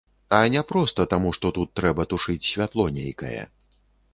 А не проста таму, што тут трэба тушыць святло нейкае!